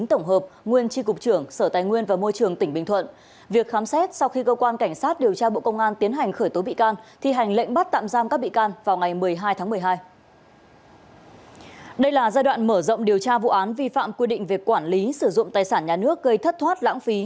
đây là giai đoạn mở rộng điều tra vụ án vi phạm quy định về quản lý sử dụng tài sản nhà nước gây thất thoát lãng phí